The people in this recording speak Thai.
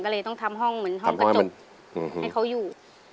ก็เลยต้องทำห้องเหมือนห้องกระจกให้เขาอยู่